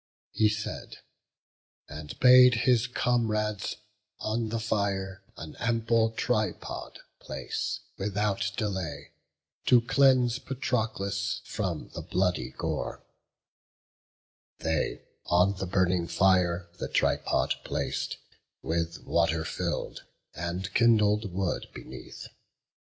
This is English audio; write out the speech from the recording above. He said, and bade his comrades on the fire An ample tripod place, without delay To cleanse Patroclus from the bloody gore: They on the burning fire the tripod plac'd, With water fill'd, and kindled wood beneath.